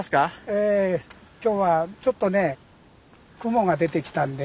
ええ今日はちょっとね雲が出てきたんで。